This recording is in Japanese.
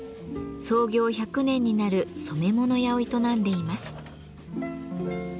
創業１００年になる染め物屋を営んでいます。